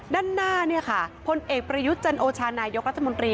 ด้านหน้าผลเอกประยุทธ์เจนโอชาณายกรัฐมนตรี